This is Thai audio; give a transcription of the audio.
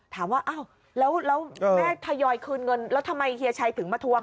ถามว่าอ้าวแล้วแม่ทยอยคืนเงินแล้วทำไมเฮียชัยถึงมาทวง